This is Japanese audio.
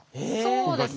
そうです。